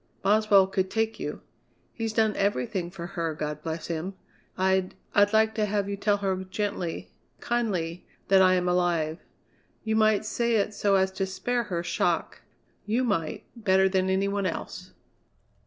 Boswell could take you. He's done everything for her, God bless him! I'd I'd like to have you tell her gently, kindly, that I am alive. You might say it so as to spare her shock; you might, better than any one else!"